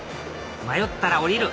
迷ったら降りる！